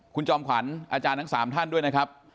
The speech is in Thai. คุณจอมขวัญอาจารย์ทั้ง๓ท่านด้วยนะครับ